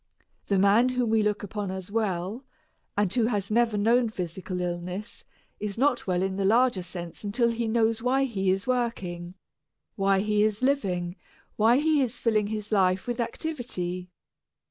The man whom we look upon as well, and who has never known physical illness, is not well in the larger sense until he knows why he is working, why he is living, why he is filling his life with activity.